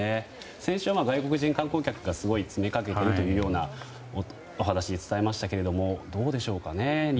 先週、外国人観光客もすごい詰め掛けているというお話を伝えましたがどうでしょうかね。